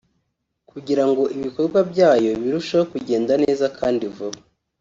kugirango ibikorwa byayo birusheho kugenda neza kandi vuba